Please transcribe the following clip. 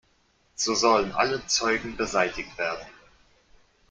So sollen alle Zeugen beseitigt werden.